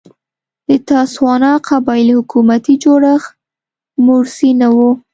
د تسوانا قبایلي حکومتي جوړښت موروثي نه و.